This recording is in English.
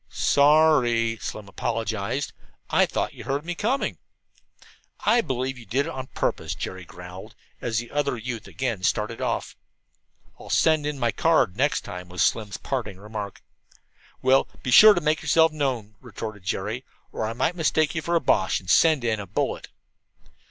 "Sorry," Slim apologized. "Thought you heard me coming." "I believe you did it on purpose," Jerry growled, as the other youth again started off. "I'll send in my card first next time," was Slim's parting remark. "Well, be sure to make yourself known," retorted Jerry, "or I might mistake you for a Boche and send in a bullet."